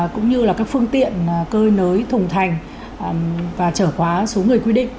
cũng như là các phương tiện cơ nới thùng thành và trở khóa số người quy định